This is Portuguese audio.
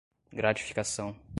gratificação